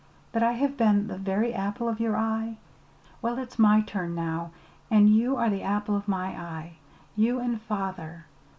that I have been the very apple of your eye? Well, it's my turn, now, and you are the apple of my eye you and father.